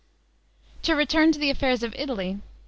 To return to the affairs of Italy.